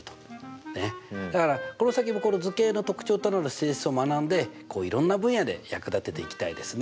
ねっだからこの先もこの図形の特徴となる性質を学んでいろんな分野で役立てていきたいですね。